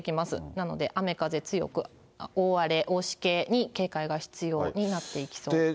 なので雨風強く、大雨、大しけに警戒が必要になっていきそうです。